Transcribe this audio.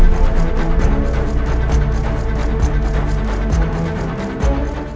โปรดติดตามตอนต่อไป